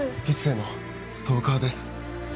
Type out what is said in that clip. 一星のストーカーです。